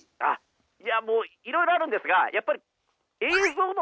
いやもういろいろあるんですがやっぱりあそうね。